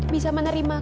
bisa menerima keputusan